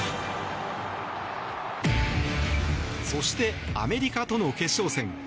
そして、アメリカとの決勝戦。